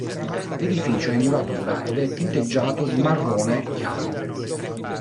L'edificio è in muratura ed è tinteggiato di marrone chiaro.